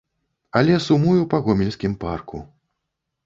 Але сумую па гомельскім парку.